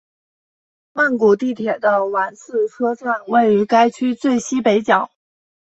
曼谷地铁的挽赐车站位于该区最西北角。